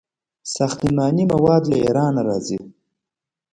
ساختماني مواد له ایران راځي.